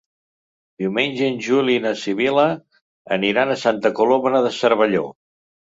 Diumenge en Juli i na Sibil·la aniran a Santa Coloma de Cervelló.